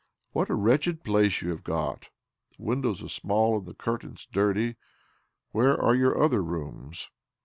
" What a wretched place you have got ! The windows are small, and the curtains dirty. Where are your other rooms?